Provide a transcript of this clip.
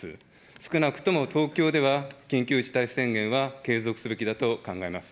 少なくとも東京では、緊急事態宣言は継続すべきだと考えます。